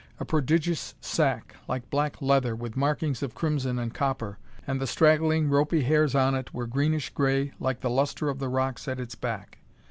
A prodigious sack, like black leather, with markings of crimson and copper! and the straggling, ropy hairs on it were greenish gray like the lustre of the rocks at its back.